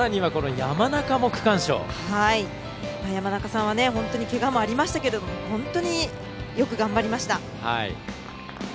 山中さんは本当にけがもありましたけれども本当によく頑張りました。